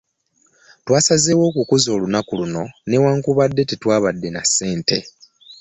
Twasazeewo okukuza olunaku luno newankubadde tetwabadde na ssente